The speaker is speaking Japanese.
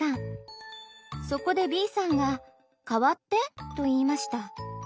そこでＢさんが「代わって」と言いました。